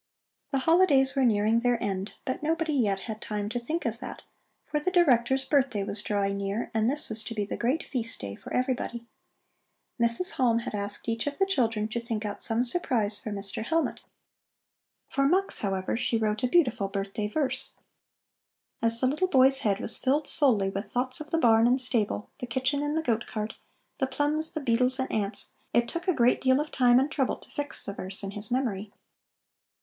The holidays were nearing their end, but nobody yet had time to think of that, for the Director's birthday was drawing near and this was to be the great feast day for everybody. Mrs. Halm had asked each of the children to think out some surprise for Mr. Hellmut. For Mux, however, she wrote a beautiful birthday verse. As the little boy's head was filled solely with thoughts of the barn and stable, the kitchen and the goat cart, the plums, the beetles and ants, it took a great deal of time and trouble to fix the verse in his memory.